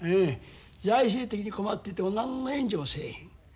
財政的に困ってても何の援助もせえへん。